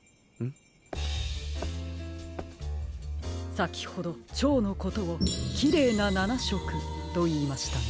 さきほどチョウのことを「きれいな７しょく」といいましたね。